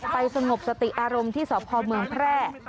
สงบสติอารมณ์ที่สพเมืองแพร่